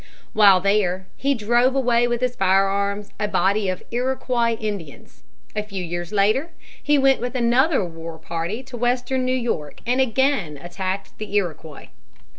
While there, he drove away with his firearms a body of Iroquois Indians. A few years later he went with another war party to western New York and again attacked the Iroquois.